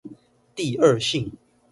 第二性